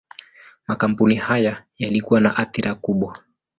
Makampuni haya yalikuwa na athira kubwa.